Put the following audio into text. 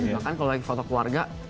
bahkan kalau lagi foto keluarga